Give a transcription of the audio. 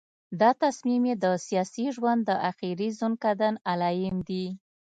دا تصمیم یې د سیاسي ژوند د آخري ځنکدن علایم دي.